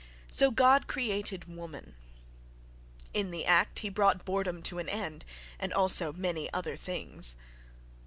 —So God created woman. In the act he brought boredom to an end—and also many other things!